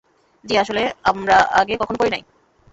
জি, আসলে, আমরা আগে কখনো করি নাই।